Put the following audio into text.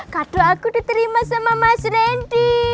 kado aku diterima sama mas randy